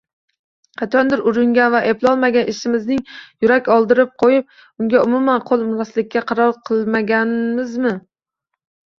Qachondir uringan va eplolmagan ishimizdan yurak oldirib qoʻyib, unga umuman qoʻl urmaslikka qaror qilmaganmizmi?